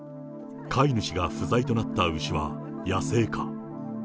飼い主が不在となった牛は野生化。